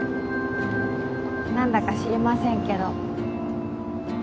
何だか知りませんけど。